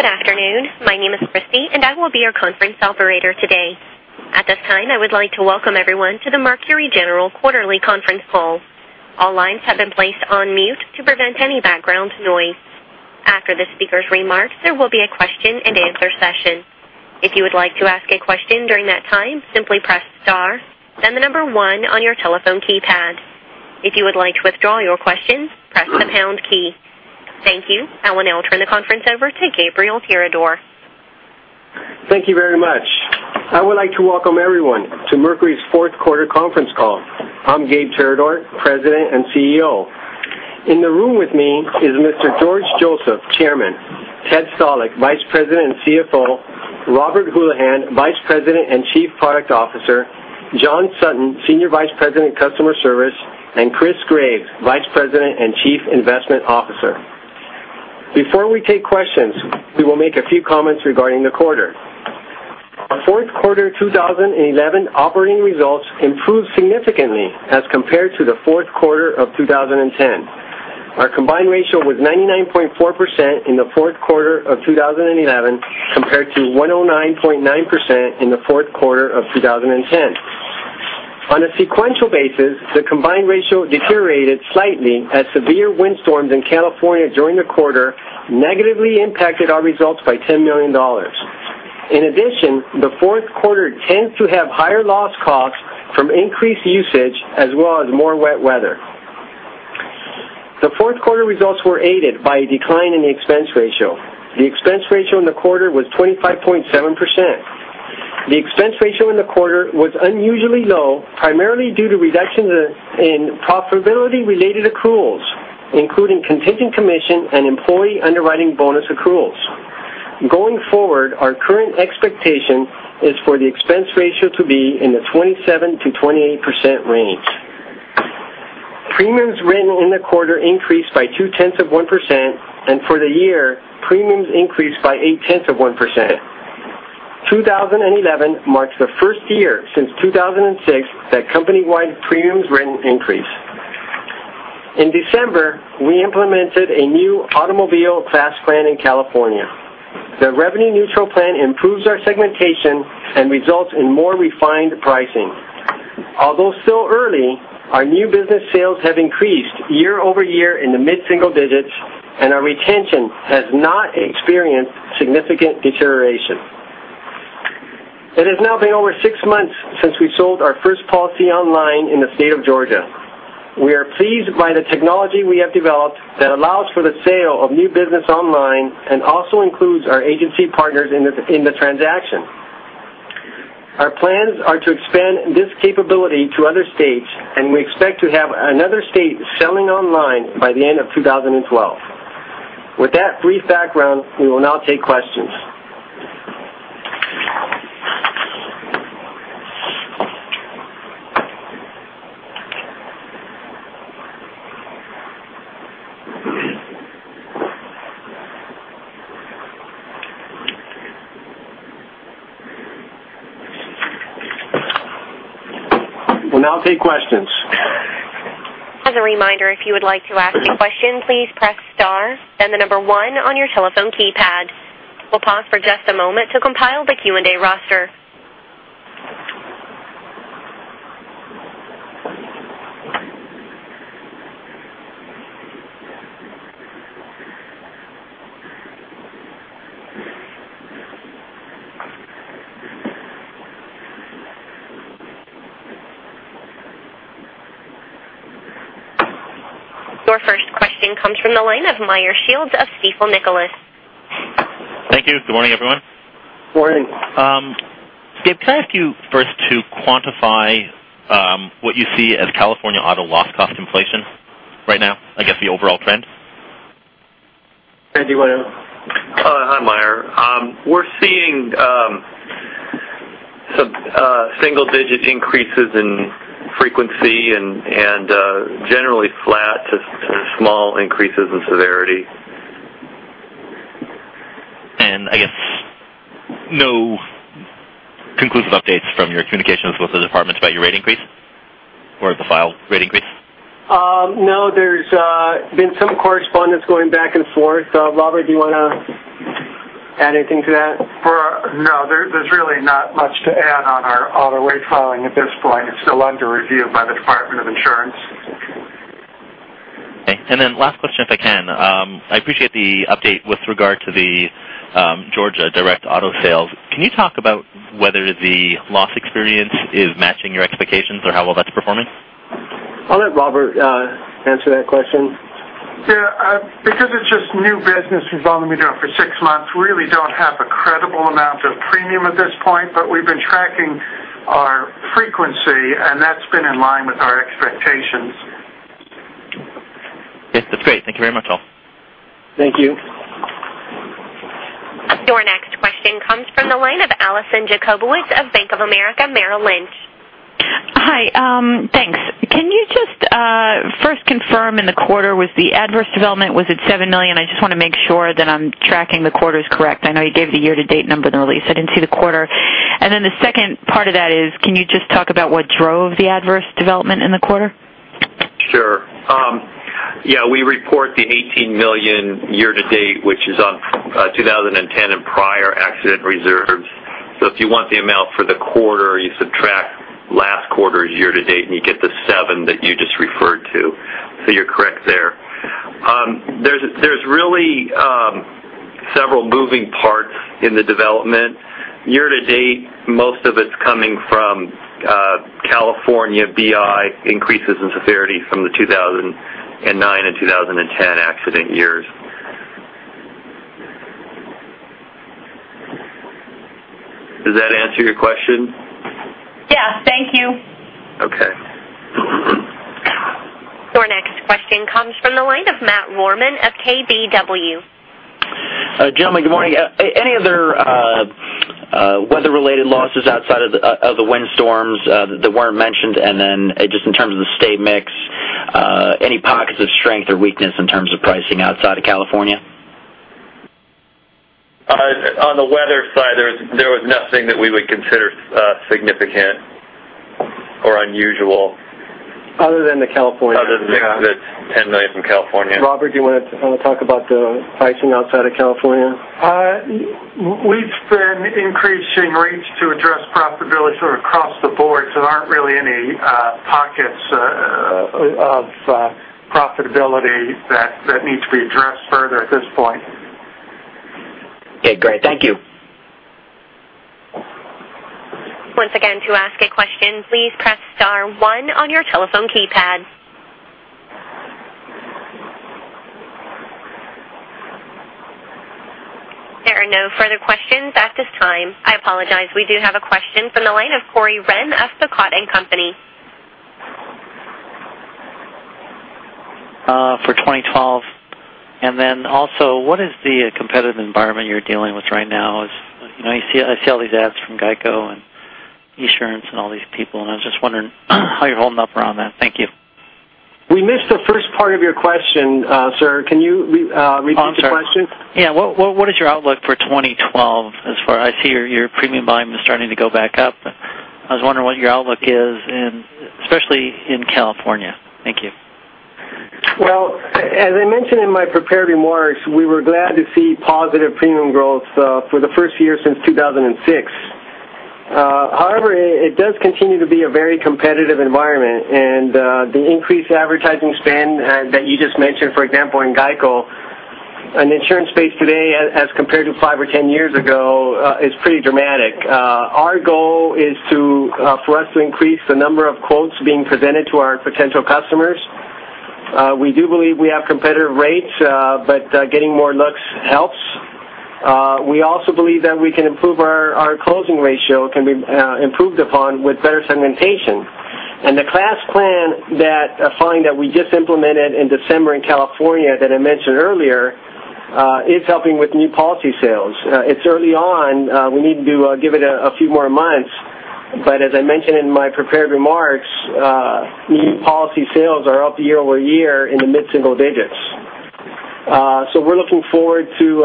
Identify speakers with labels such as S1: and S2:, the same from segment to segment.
S1: Good afternoon. My name is Christy, and I will be your conference operator today. At this time, I would like to welcome everyone to the Mercury General quarterly conference call. All lines have been placed on mute to prevent any background noise. After the speakers' remarks, there will be a question and answer session. If you would like to ask a question during that time, simply press star, then the number 1 on your telephone keypad. If you would like to withdraw your question, press the pound key. Thank you. I will now turn the conference over to Gabriel Tirador.
S2: Thank you very much. I would like to welcome everyone to Mercury's fourth quarter conference call. I'm Gabe Tirador, President and CEO. In the room with me is Mr. George Joseph, Chairman, Ted Stalick, Vice President and CFO, Robert Houlihan, Vice President and Chief Product Officer, John Sutton, Senior Vice President, Customer Service, and Chris Graves, Vice President and Chief Investment Officer. Before we take questions, we will make a few comments regarding the quarter. Our fourth quarter 2011 operating results improved significantly as compared to the fourth quarter of 2010. Our combined ratio was 99.4% in the fourth quarter of 2011 compared to 109.9% in the fourth quarter of 2010. On a sequential basis, the combined ratio deteriorated slightly as severe windstorms in California during the quarter negatively impacted our results by $10 million. In addition, the fourth quarter tends to have higher loss costs from increased usage as well as more wet weather. The fourth quarter results were aided by a decline in the expense ratio. The expense ratio in the quarter was 25.7%. The expense ratio in the quarter was unusually low, primarily due to reductions in profitability-related accruals, including contingent commission and employee underwriting bonus accruals. Going forward, our current expectation is for the expense ratio to be in the 27%-28% range. Premiums written in the quarter increased by 0.2%, and for the year, premiums increased by 0.8%. 2011 marks the first year since 2006 that company-wide premiums written increased. In December, we implemented a new automobile class plan in California. The revenue-neutral plan improves our segmentation and results in more refined pricing. Although still early, our new business sales have increased year-over-year in the mid-single digits, and our retention has not experienced significant deterioration. It has now been over six months since we sold our first policy online in the state of Georgia. We are pleased by the technology we have developed that allows for the sale of new business online and also includes our agency partners in the transaction. Our plans are to expand this capability to other states, and we expect to have another state selling online by the end of 2012. With that brief background, we will now take questions.
S1: As a reminder, if you would like to ask a question, please press star, then the number 1 on your telephone keypad. We'll pause for just a moment to compile the Q&A roster. Your first question comes from the line of Meyer Shields of Stifel Nicolaus.
S3: Thank you. Good morning, everyone.
S2: Morning.
S3: Gabe, can I ask you first to quantify what you see as California auto loss cost inflation right now? I guess the overall trend.
S2: Andy, you want to?
S4: Hi, Meyer. We're seeing some single-digit increases in frequency and generally flat to small increases in severity.
S3: I guess no conclusive updates from your communications with the departments about your rate increase or the file rate increase?
S2: No, there's been some correspondence going back and forth. Robert, do you want to add anything to that?
S5: No, there's really not much to add on our auto rate filing at this point. It's still under review by the Department of Insurance.
S3: Okay. Last question, if I can. I appreciate the update with regard to the Georgia direct auto sales. Can you talk about whether the loss experience is matching your expectations or how well that's performing?
S2: I'll let Robert answer that question.
S5: Yeah. Because it's just new business. We've only been doing it for six months. We really don't have a credible amount of premium at this point, but we've been tracking our frequency, and that's been in line with our expectations.
S3: Yes, that's great. Thank you very much, all.
S2: Thank you.
S1: Your next question comes from the line of Alison Jacobowitz of Bank of America Merrill Lynch.
S6: Hi. Thanks. Can you just first confirm in the quarter was the adverse development, was it $7 million? I just want to make sure that I'm tracking the quarters correct. I know you gave the year-to-date number in the release. I didn't see the quarter. Then the second part of that is, can you just talk about what drove the adverse development in the quarter?
S7: Yeah, we report the $18 million year-to-date, which is on 2010 and prior accident reserves. If you want the amount for the quarter, you subtract last quarter's year-to-date, and you get the $7 that you just referred to. You're correct there. There's really several moving parts in the development. Year-to-date, most of it's coming from California BI increases in severity from the 2009 and 2010 accident years. Does that answer your question?
S6: Yes. Thank you.
S7: Okay.
S1: Your next question comes from the line of Matt Rohman of KBW.
S8: Gentlemen, good morning. Any other weather-related losses outside of the windstorms that weren't mentioned? Then just in terms of the state mix, any pockets of strength or weakness in terms of pricing outside of California?
S7: On the weather side, there was nothing that we would consider significant or unusual.
S2: Other than the California-
S7: Other than the $10 million from California.
S2: Robert, do you want to talk about the pricing outside of California?
S5: We've been increasing rates to address profitability sort of across the board, there aren't really any pockets of profitability that needs to be addressed further at this point.
S8: Okay, great. Thank you.
S1: Once again, to ask a question, please press star one on your telephone keypad. There are no further questions at this time. I apologize. We do have a question from the line of Corey Wren of The Cotton Company.
S9: For 2012, what is the competitive environment you're dealing with right now? I see all these ads from GEICO and Esurance and all these people, I was just wondering how you're holding up around that. Thank you.
S2: We missed the first part of your question, sir. Can you repeat the question?
S9: Oh, I'm sorry. Yeah. What is your outlook for 2012? I see your premium volume is starting to go back up. I was wondering what your outlook is, especially in California. Thank you.
S2: Well, as I mentioned in my prepared remarks, we were glad to see positive premium growth for the first year since 2006. However, it does continue to be a very competitive environment. The increased advertising spend that you just mentioned, for example, in GEICO, and Esurance space today, as compared to five or 10 years ago, is pretty dramatic. Our goal is for us to increase the number of quotes being presented to our potential customers. We do believe we have competitive rates, but getting more looks helps. We also believe that our closing ratio can be improved upon with better segmentation. The class plan filing that we just implemented in December in California that I mentioned earlier is helping with new policy sales. It's early on. We need to give it a few more months. As I mentioned in my prepared remarks, new policy sales are up year-over-year in the mid-single digits. We're looking forward to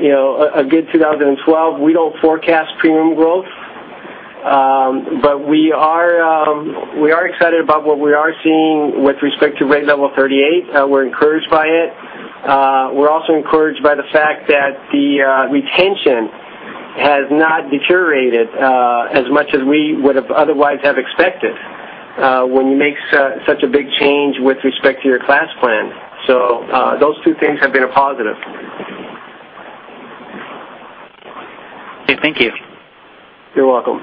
S2: a good 2012. We don't forecast premium growth. We are excited about what we are seeing with respect to Rate Level 38. We're encouraged by it. We're also encouraged by the fact that the retention has not deteriorated as much as we would have otherwise have expected when you make such a big change with respect to your class plan. Those two things have been a positive.
S9: Okay. Thank you.
S2: You're welcome.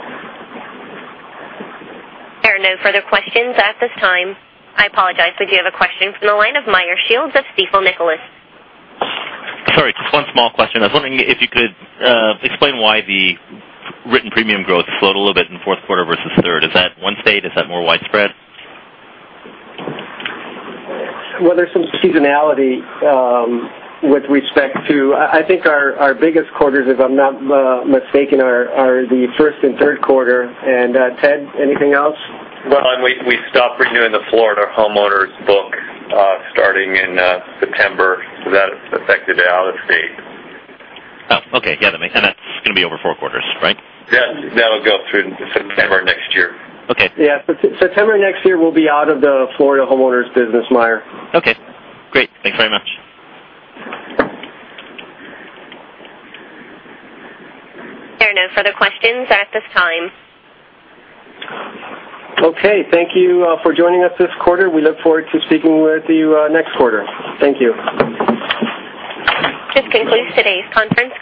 S1: There are no further questions at this time. I apologize. We do have a question from the line of Meyer Shields of Stifel, Nicolaus & Company, Incorporated.
S3: Sorry, just one small question. I was wondering if you could explain why the written premium growth slowed a little bit in the fourth quarter versus third. Is that one state? Is that more widespread?
S2: There's some seasonality with respect to I think our biggest quarters, if I'm not mistaken, are the first and third quarter. Ted, anything else?
S7: Well, we stopped renewing the Florida homeowners book starting in September, so that affected the out-of-state.
S3: Oh, okay. Got it. That's going to be over 4 quarters, right?
S7: Yes. That'll go through September next year.
S3: Okay.
S2: Yeah. September next year, we'll be out of the Florida homeowners business, Meyer.
S3: Okay, great. Thanks very much.
S1: There are no further questions at this time.
S2: Okay. Thank you for joining us this quarter. We look forward to speaking with you next quarter. Thank you.
S1: This concludes today's conference call.